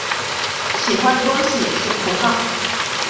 喜欢的东西是葡萄。